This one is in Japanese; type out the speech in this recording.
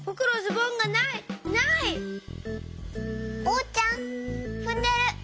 おうちゃんふんでる。